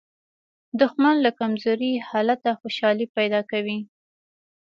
دښمن له کمزوري حالته خوشالي پیدا کوي